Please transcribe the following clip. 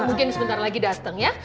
mungkin sebentar lagi datang ya